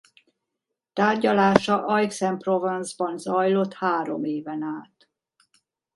Tárgyalása Aix-en-Provence-ban zajlott három éven át.